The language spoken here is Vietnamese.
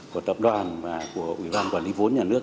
của tập đoàn và của ủy ban quản lý vốn nhà nước